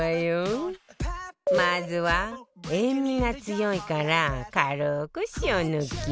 まずは塩味が強いから軽く塩抜き